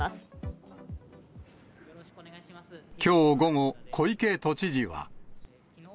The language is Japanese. きょう午後、小池都知事は。